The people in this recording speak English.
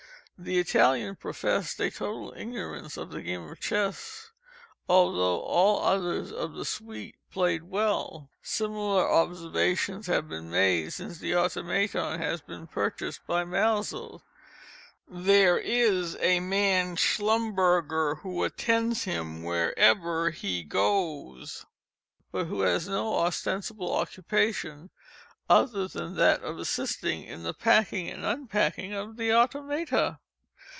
This Italian professed a _total _ignorance of the game of chess, although all others of the suite played well. Similar observations have been made since the Automaton has been purchased by Maelzel. There is a man, _Schlumberoer, _who attends him wherever he goes, but who has no ostensible occupation other than that of assisting in the packing and unpacking of the automata.